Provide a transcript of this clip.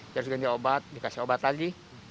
jika diganti obat dikasih obat lagi